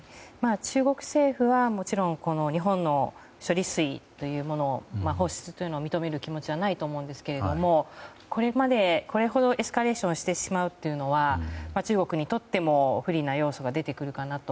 中国政府はもちろん日本の処理水の放出というのを認める気持ちはないと思うんですけどこれほどエスカレーションしてしまうというのは中国にとっても不利な要素が出てくるかなと。